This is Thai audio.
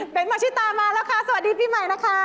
เป็นหมอชิตามาแล้วค่ะสวัสดีปีใหม่นะคะ